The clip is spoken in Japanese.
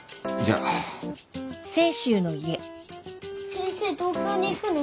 先生東京に行くの？